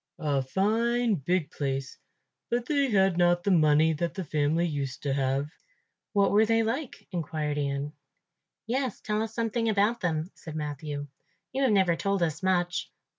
"A fine big place, but they had not the money that the family used to have." "What were they like?" inquired Ian. "Yes, tell us something about them," said Matthew; "you have never told us much."